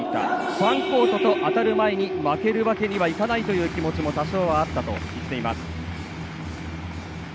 ファンコートと当たる前に負けるわけにはいかないという気持ちも多少はあったと言っています。